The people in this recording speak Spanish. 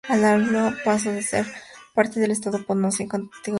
Ahualulco pasó a ser parte del estado potosino, con categoría de villa.